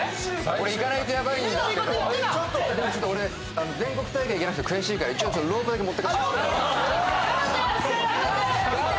俺行かないとヤバいんですけどでもちょっと俺全国大会行けなくて悔しいから一応ロープだけ持っていかして頑張って！